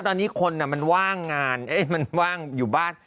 ตอนนี้คนมันว่างงานมันว่างอยู่บ้าน